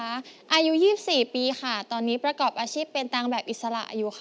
อายุ๒๔ปีค่ะตอนนี้ประกอบอาชีพเป็นตังค์แบบอิสระอยู่ค่ะ